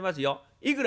「いくら？」。